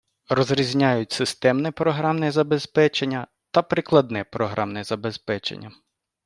Розрізняють системне програмне забезпечення та прикладне програмне забезпечення.